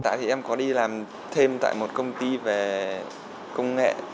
tại thì em có đi làm thêm tại một công ty về công nghệ